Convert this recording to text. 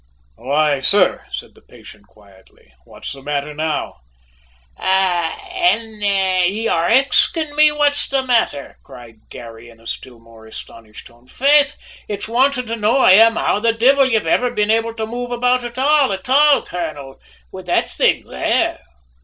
"Why, sir," said the patient quietly, "what's the matter now?" "Ah, an' ye are axin' what's the mather?" cried Garry in a still more astonished tone. "Faith, it's wantin' to know I am how the divvle you've iver been able to move about at all, at all, colonel, with that thing there.